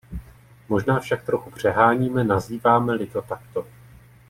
Možná však trochu přeháníme, nazýváme-li to takto.